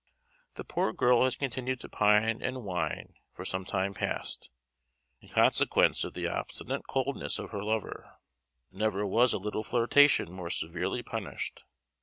The poor girl has continued to pine and whine for some time past, in consequence of the obstinate coldness of her lover; never was a little flirtation more severely punished.